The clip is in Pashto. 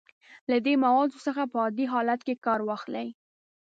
له دې موادو څخه په عادي حالت کې کار واخلئ.